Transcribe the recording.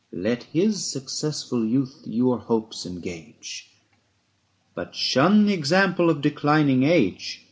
265 Let his successful youth your hopes engage, But shun the example of declining age.